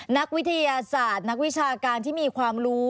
นักวิทยาศาสตร์นักวิชาการที่มีความรู้